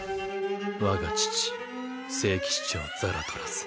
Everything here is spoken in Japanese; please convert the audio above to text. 我が父聖騎士長ザラトラス